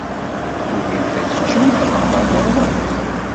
Tugimt ad teččemt axaṭer terwamt.